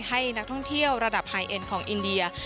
ให้นักท่องเที่ยวระดับไฮเอ็นของอินเดีย